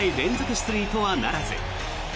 出塁とはならず。